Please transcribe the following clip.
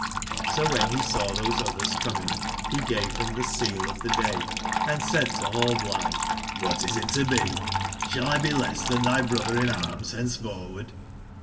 So when he saw those others coming, he gave them the sele of the day, and saidtonallblithe: "Cdhat is it to be? shall 1 be less than thy brother/ in /arms hence forward